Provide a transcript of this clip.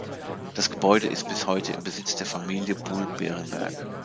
Das Gebäude ist bis heute im Besitz der Familie Buol-Berenberg.